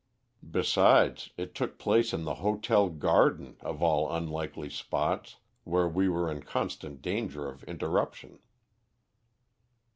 Besides, it took place in the hotel garden, of all unlikely spots, where we were in constant danger of interruption.